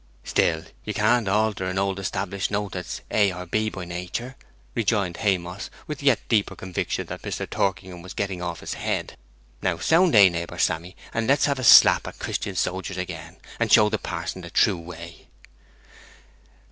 'Still, you can't alter a old established note that's A or B by nater,' rejoined Haymoss, with yet deeper conviction that Mr. Torkingham was getting off his head. 'Now sound A, neighbour Sammy, and let's have a slap at Christen sojers again, and show the Pa'son the true way!'